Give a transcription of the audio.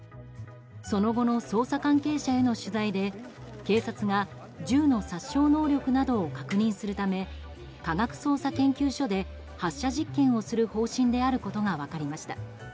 その後の捜査関係者への取材で警察が銃の殺傷能力などを確認するため科学捜査研究所で発射実験をする方針であることが分かりました。